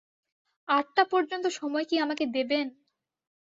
আটটা পর্যন্ত সময় কি আমাকে দেবেন?